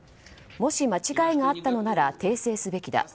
もし、間違いがあったのなら訂正すべきだ。